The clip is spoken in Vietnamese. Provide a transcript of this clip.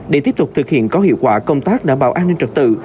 để tiếp tục thực hiện có hiệu quả công tác đảm bảo an ninh trật tự